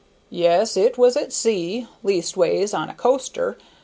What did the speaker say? "Yes, it was at sea; leastways, on a coaster.